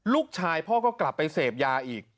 ลูกชายพ่อก็กลับไปเสพยาอีก